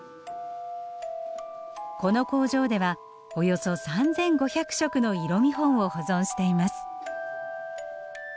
この工場ではおよそ３，５００色の色見本を保存しています。